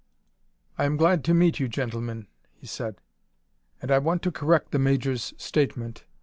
"I am glad to meet you, gentlemen," he said, "and I want to correct the Major's statement.